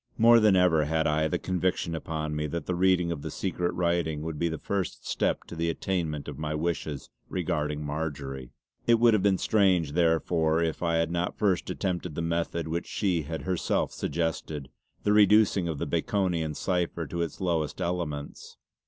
More than ever had I the conviction upon me that the reading of the secret writing would be the first step to the attainment of my wishes regarding Marjory. It would have been strange therefore if I had not first attempted the method which she had herself suggested, the reducing the Baconian cipher to its lowest elements.